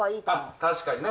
確かにね。